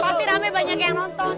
pasti rame banyak yang nonton